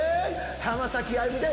浜崎あゆみで。